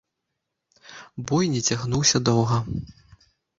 Бой не цягнуўся доўга.